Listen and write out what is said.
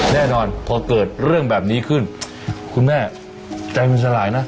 แน่นอนพอเกิดเรื่องแบบนี้ขึ้นคุณแม่ใจมันสลายนะ